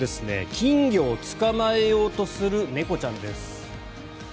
金魚を捕まえようとする猫ちゃんです。